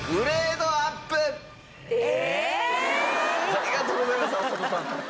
ありがとうございます浅野さん。